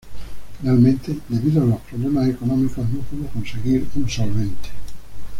Finalmente, debido a los problemas económicos no pudo conseguir un solvente.